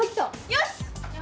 よし！